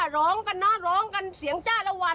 ร้องกันเนอะร้องกันเสียงจ้าละวัน